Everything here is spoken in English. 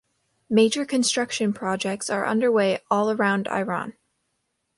Major construction projects are underway all around Iran.